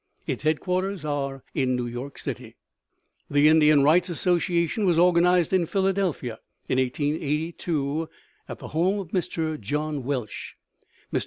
Its headquarters are in New York City. The Indian Rights Association was organized in Philadelphia, in 1882, at the home of Mr. John Welsh. Mr.